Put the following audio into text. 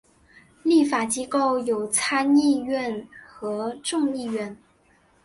立法机构有参议院和众议院。